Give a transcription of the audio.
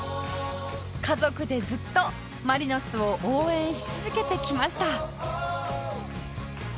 家族でずっとマリノスを応援し続けてきました